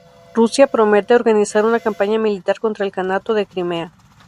Rusia promete organizar una campaña militar contra el Kanato de Crimea.